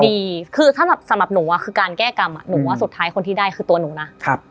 ดีคือถ้าแบบสำหรับหนูคือการแก้กรรมหนูว่าสุดท้ายคนที่ได้คือตัวหนูนะ